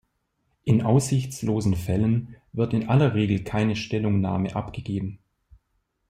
In aussichtslosen Fällen wird in aller Regel keine Stellungnahme abgegeben.